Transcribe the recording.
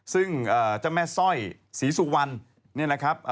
ซึ่งเจ้าแม่สร้อยศรีสุวรรณนี่นะครับ